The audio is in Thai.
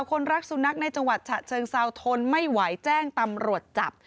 คนรักสุนัขในจังหวัดฉะเชิงเซาทนไม่ไหวแจ้งตำรวจจับ